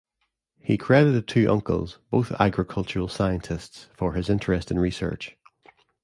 He credited two uncles, both agricultural scientists, for his interest in research.